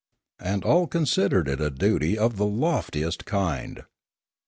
And all considered it a duty of the loftiest kind.